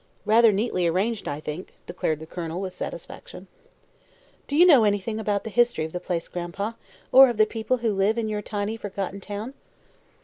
"Rather neatly arranged, I think," declared the Colonel, with satisfaction. "Do you know anything about the history of the place, Gran'pa, or of the people who live in your tiny, forgotten town?"